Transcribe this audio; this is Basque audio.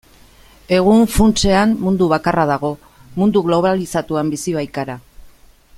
Egun, funtsean, mundu bakarra dago, mundu globalizatuan bizi baikara.